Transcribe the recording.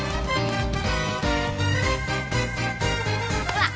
わっ！